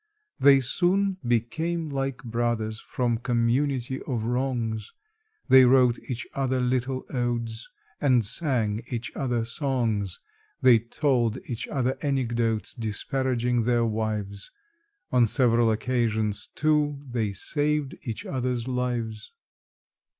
They soon became like brothers from community of wrongs: They wrote each other little odes and sang each other songs; They told each other anecdotes disparaging their wives; On several occasions, too, they saved each other's lives.